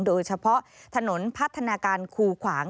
โดยเฉพาะถนนพัฒนาการคูขวาง